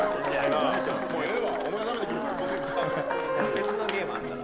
別のゲームあるから。